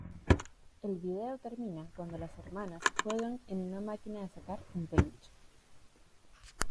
El video termina cuando las hermanas juegan en una máquina de sacar un peluche.